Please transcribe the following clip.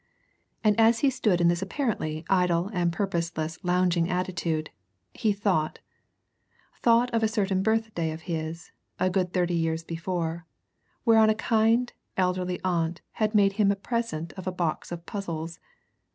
And as he stood in this apparently idle and purposeless lounging attitude, he thought thought of a certain birthday of his, a good thirty years before, whereon a kind, elderly aunt had made him a present of a box of puzzles.